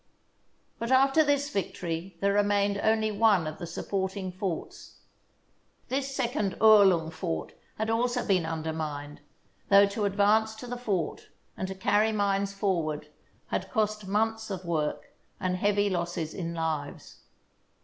But after this victory there remained only one of the supporting forts. This second Uhrlung fort had also been under mined, though to advance to the fort and to carry mines forward had cost months of work and heavy losses in lives.